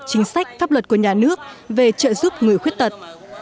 chính sách pháp luật của nhà nước về trợ giúp người khuyết tật